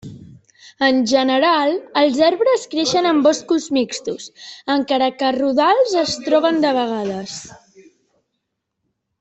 En general, els arbres creixen en boscos mixtos, encara que rodals es troben de vegades.